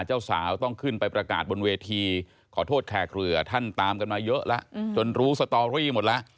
เจ้าสาวต้องขึ้นไปประกาศบนเวทีขอโทษแคร์เครือท่านตามกันมาเยอะแล้วจนรู้สตอรี่หมดแล้ว